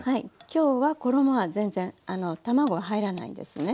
今日は衣は全然卵は入らないですね。